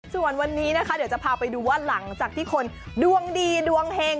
ส่วนวันนี้นะคะเดี๋ยวจะพาไปดูว่าหลังจากที่คนดวงดีดวงเฮง